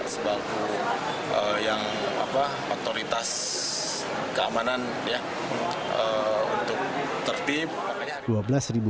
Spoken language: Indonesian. sebagu yang otoritas keamanan untuk tertib